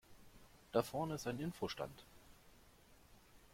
Da vorne ist ein Info-Stand.